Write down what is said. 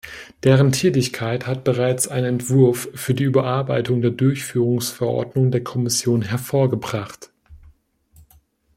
Deren Tätigkeit hat bereits einen Entwurf für die Überarbeitung der Durchführungsverordnung der Kommission hervorgebracht.